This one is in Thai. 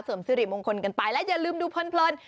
สิริมงคลกันไปและอย่าลืมดูเพลิน